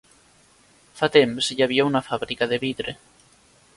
Fa temps, hi havia una fàbrica de vidre.